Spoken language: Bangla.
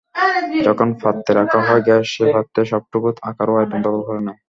যখন পাত্রে রাখা হয় গ্যাস সে পাত্রের সবটুকু আকার ও আয়তন দখল করে নেয়।